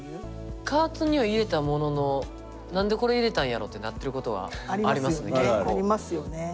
カートには入れたものの「なんでコレ入れたんやろ？」ってなってることはありますね結構。ありますよね。